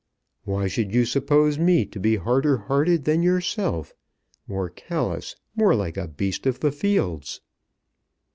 "Why should you suppose me to be harder hearted than yourself, more callous, more like a beast of the fields?"